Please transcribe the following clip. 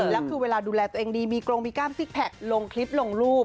แล้วคือเวลาดูแลตัวเองดีมีกรงมีกล้ามซิกแพคลงคลิปลงรูป